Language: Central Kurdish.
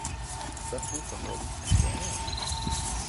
بەفر و سەهۆڵی ئەتوێنێ